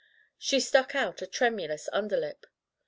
She stuck out a tremulous underlip.